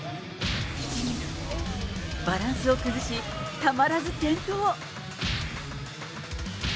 バランスを崩し、たまらず転倒。